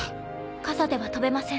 傘では飛べません。